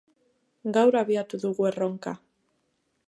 Gaur abiatu dugu erronka.